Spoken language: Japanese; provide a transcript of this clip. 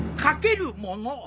駆けるもの